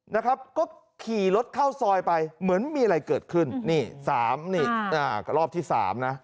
นะครับก็ขี่รถเข้าซอยไปเหมือนมีอะไรเกิดขึ้นนี่สามนี่อ่าก็รอบที่สามนะ